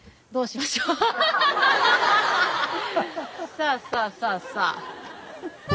さあさあさあさあ。